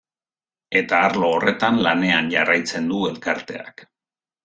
Eta arlo horretan lanean jarraitzen du elkarteak.